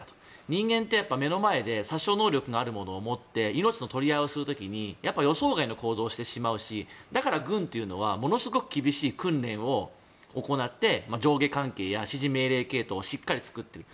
人間って目の前で殺傷能力があるものを持って命の取り合いをする時に予想外の行動をしてしまうしだから軍というのはものすごく厳しい訓練を行って上下関係や指示命令系統をしっかり作っている。